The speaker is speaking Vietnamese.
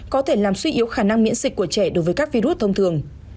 có thể làm suy yếu khả năng miễn dịch của trẻ đối với các virus thông thường